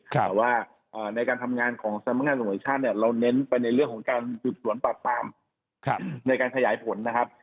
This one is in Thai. แต่ว่าในการทำงานของสำนักงานตำรวจชาติเนี่ยเราเน้นไปในเรื่องของการสืบสวนปราบปรามในการขยายผลนะครับ